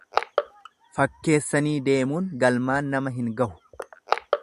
Fakkeessanii deemuun galmaan nama hin gahu.